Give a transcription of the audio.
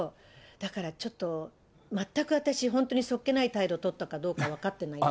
だからちょっと、全く私、本当にそっけない態度を取ったかどうかは分かってないんです。